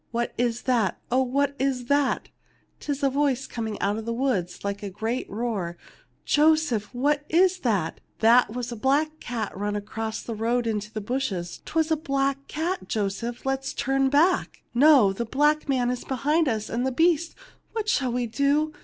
What is that ? Oh, what is that ? 'Tis a voice coming out of the woods like a great roar. Joseph 1 What is that ? That was a black cat run across the road into the bushes. 'Twas a black cat. Joseph, let us turn back ! No ; the black man is behind us, and the beast. What shall we do